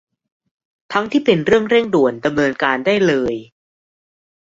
ทั้งที่เป็นเรื่องเร่งด่วนดำเนินการได้เลย